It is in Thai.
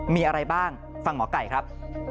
มีอะไรบ้างฟังหมอไก่ครับ